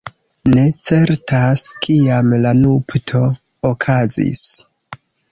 Ne certas kiam la nupto okazis.